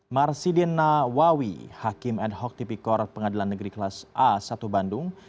marsidina wawi hakim ad hoc tipikor pengadilan negeri kelas a satu bandung